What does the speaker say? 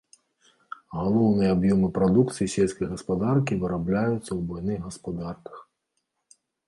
Галоўныя аб'ёмы прадукцыі сельскай гаспадаркі вырабляюцца ў буйных гаспадарках.